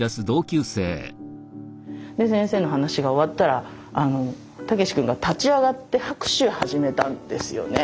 先生の話が終わったら武司君が立ち上がって拍手始めたんですよね。